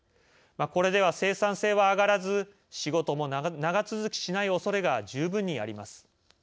これでは生産性は上がらず仕事も長続きしないおそれが十分にあります。